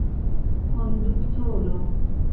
Konduktoro!